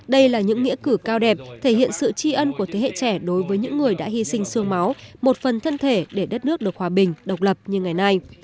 đây là những nghĩa cử cao đẹp thể hiện sự tri ân của thế hệ trẻ đối với những người đã hy sinh sương máu một phần thân thể để đất nước được hòa bình độc lập như ngày nay